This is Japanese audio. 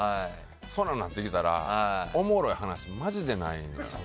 そうなってきたらおもろい話がマジでない。